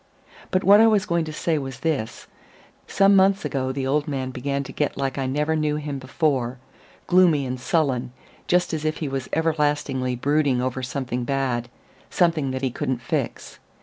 But what I was going to say was this: some months ago the old man began to get like I never knew him before gloomy and sullen, just as if he was everlastingly brooding over something bad, something that he couldn't fix.